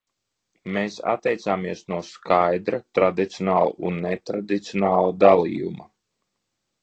Mēs atteicāmies no skaidra, tradicionāla un netradicionāla dalījuma.